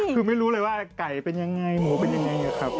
คือไม่รู้เลยว่าไก่เป็นยังไงหมูเป็นยังไงครับ